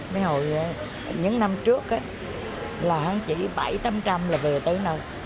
mấy hồi những năm trước là chỉ bảy tám trăm linh là về tới đâu